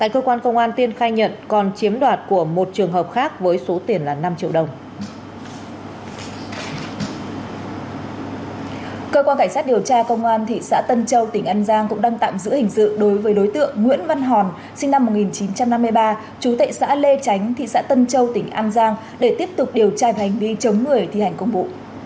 cơ quan cảnh sát điều tra công an thị xã tân châu tỉnh an giang cũng đang tạm giữ hình sự đối với đối tượng nguyễn văn hòn sinh năm một nghìn chín trăm năm mươi ba chú tệ xã lê chánh thị xã tân châu tỉnh an giang để tiếp tục điều tra hành vi chống người thi hành công vụ